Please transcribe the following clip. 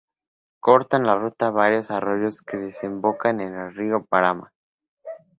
Cortan la ruta varios arroyos, que desembocan en el río Paraná.